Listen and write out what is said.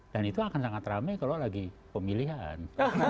dan itu akan sangat rame kalau lagi pemilihan